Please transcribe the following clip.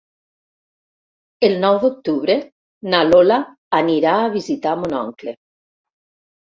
El nou d'octubre na Lola anirà a visitar mon oncle.